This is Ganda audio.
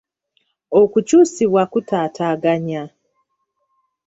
Okukyusibwa kutataaganya.